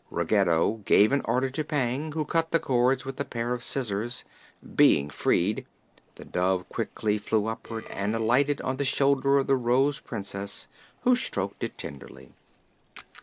Ruggedo gave an order to Pang, who cut the cords with a pair of scissors. Being freed, the dove quickly flew upward and alighted on the shoulder of the Rose Princess, who stroked it tenderly.